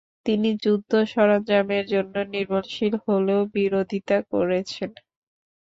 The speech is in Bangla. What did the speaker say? তিনি যুদ্ধ সরঞ্জামের জন্য নির্ভরশীল হলেও বিরোধিতা করেছেন।